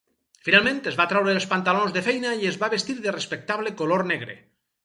Finalment es va treure els pantalons de feina i es va vestir de respectable color negre.